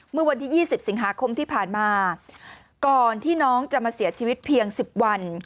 เมื่อวันที่๒๐สิงหาคมที่ผ่านมาก่อนที่น้องจะมาเสียชีวิตเพียง๑๐วัน